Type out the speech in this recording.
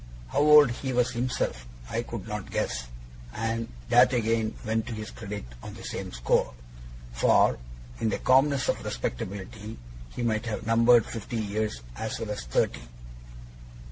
How old he was himself, I could not guess and that again went to his credit on the same score; for in the calmness of respectability he might have numbered fifty years as well as thirty.